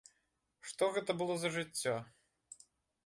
Што гэта было за жыццё!